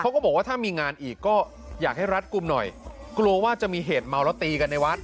ก็บอกว่าถ้ามีงานอีกก็อยากให้รัดกลุ่มหน่อยกลัวว่าจะมีเหตุเมาแล้วตีกันในวัด